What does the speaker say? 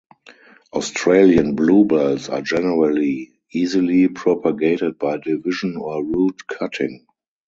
Australian bluebells are generally easily propagated by division or root cutting.